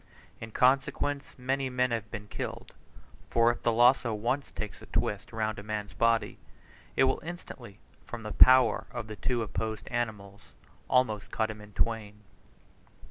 In consequence many men have been killed; for if the lazo once takes a twist round a man's body, it will instantly, from the power of the two opposed animals, almost cut him in twain.